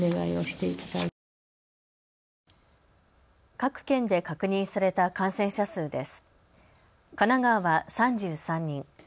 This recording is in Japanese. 各県で確認された感染者数です。